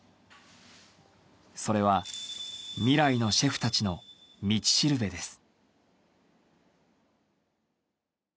それは未来のシェフたちの道しるべです。